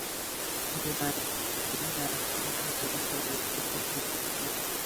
যে নায়নাকে যারা চেনে সবাই এই পরিস্থিতির সাথে জড়িত?